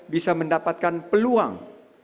bisa mendapatkan peluang